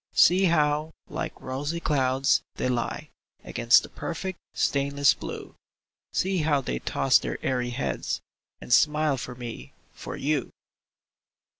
See how, like rosy clouds, they lie Against the perfect, stainless blue ! See how they toss their airy heads, And smile for me, for you